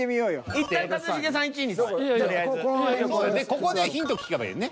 ここでヒント聞けばいいのね。